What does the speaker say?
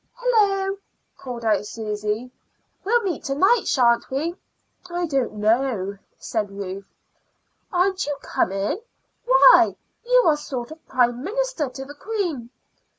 "Hullo!" called out Susy. "We'll meet to night, sha'n't we?" "I don't know," said Ruth. "Aren't you coming? Why, you are sort of Prime Minister to the queen."